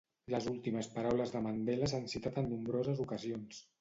Les últimes paraules de Mandela s'han citat en nombroses ocasions.